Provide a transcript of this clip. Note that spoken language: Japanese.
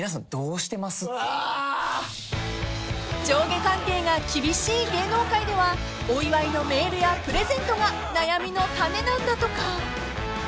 ［上下関係が厳しい芸能界ではお祝いのメールやプレゼントが悩みの種なんだとか］